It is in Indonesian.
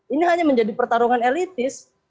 ini hanya menjadi pertarungan elitis